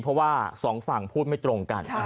เพราะว่าสองฝั่งพูดไม่ตรงกัน